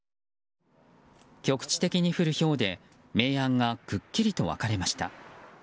局地的に降るひょうで明暗がくっきりと分かれました。